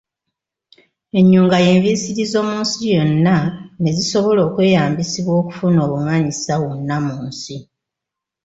Ennyunga y’enviisirizo mu nsi yonna ne zisobola okweyambisibwa okufuna obumanyisa wonna mu nsi.